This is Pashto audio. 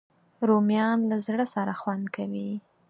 رومیان له زړه سره خوند کوي